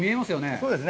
そうですね。